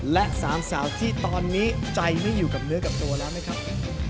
และสามสาวที่ตอนนี้ใจไม่อยู่กับเนื้อกับตัวแล้วไหมครับ